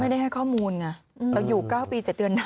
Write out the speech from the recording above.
ไม่ได้ให้ข้อมูลไงอยู่๙ปี๗เดือนนั้น